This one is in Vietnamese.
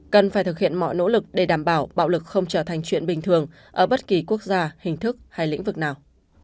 cần phải thực hiện mọi nỗ lực để đảm bảo bạo lực không trở thành chuyện bình thường ở bất kỳ quốc gia hình thức hay lĩnh vực nào